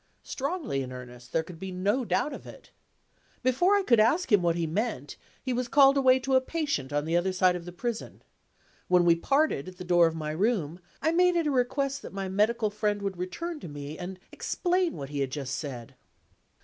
Strongly in earnest; there could be no doubt of it. Before I could ask him what he meant, he was called away to a patient on the other side of the prison. When we parted at the door of my room, I made it a request that my medical friend would return to me and explain what he had just said.